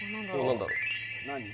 何だろう？